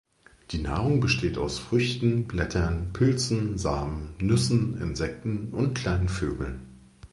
Die Nahrung besteht aus Früchten, Blättern, Pilzen, Samen, Nüssen, Insekten und kleinen Vögeln.